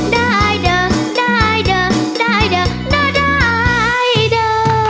ได้เด้อได้เด้อได้เด้อน่าได้เด้อ